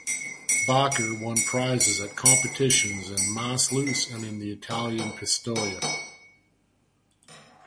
Bakker won prizes at competitions in Maassluis and in the Italian Pistoia.